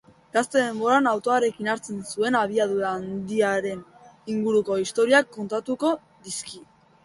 Gazte denboran autoarekin hartzen zuen abiadura handiaren inguruko istorioak kontatuko dizkio.